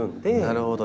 なるほど。